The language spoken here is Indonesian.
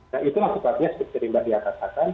nah itulah sebabnya seperti mbak dia katakan